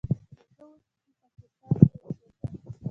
زه اوس په پاکستان کې اوسیږم.